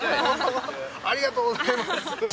ありがとうございます。